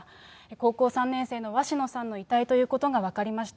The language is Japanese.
高校３年生の鷲野さんの遺体ということが分かりました。